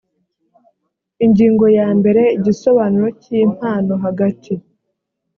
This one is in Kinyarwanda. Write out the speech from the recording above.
ingingo ya mbere igisobanuro cy impano hagati